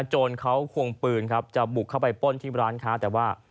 โจรเขาควงปืนครับจะบุกเข้าไปป้นที่ร้านค้าแต่ว่า